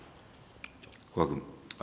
古賀君。